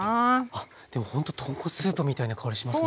あっでもほんと豚骨スープみたいな香りしますね。